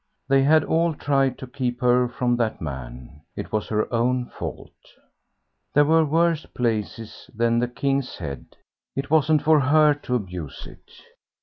They had all tried to keep her from that man; it was her own fault. There were worse places than the "King's Head." It wasn't for her to abuse it.